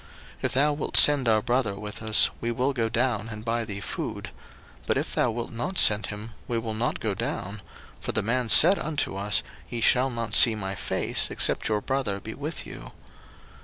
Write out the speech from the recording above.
01:043:004 If thou wilt send our brother with us, we will go down and buy thee food: 01:043:005 But if thou wilt not send him, we will not go down: for the man said unto us, Ye shall not see my face, except your brother be with you.